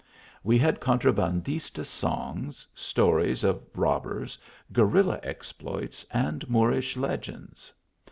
We had contrabandista songs, stories of robbers, gue rilla exploits, and Moorish legends.